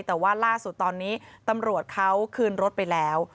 แต่ว่าล่าสุดตอนนี้ตำรวจเขาคืนรถไปแล้ว